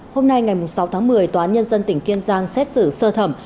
hôm nay ngày sáu tháng một mươi tòa án nhân dân tỉnh kiên giang xét xử sơ thẩm